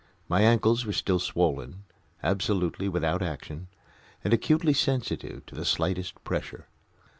My ankles were still swollen, absolutely without action, and acutely sensitive to the slightest pressure.